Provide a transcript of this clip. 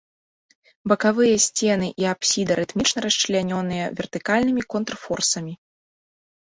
Бакавыя сцены і апсіда рытмічна расчлянёныя вертыкальнымі контрфорсамі.